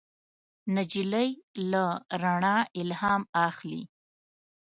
نجلۍ له رڼا الهام اخلي.